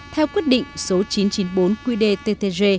theo quyết định số chín trăm chín mươi bốn qdttg